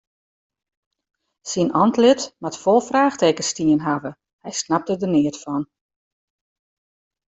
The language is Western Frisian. Syn antlit moat fol fraachtekens stien hawwe, hy snapte der neat fan.